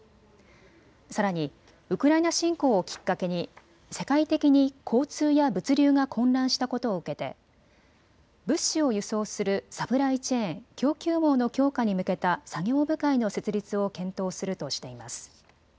さらに、ウクライナ侵攻をきっかけに世界的に交通や物流が混乱したことを受けて物資を輸送するサプライチェーン・供給網の強化に向けた作業部会の設立を検討するとしています。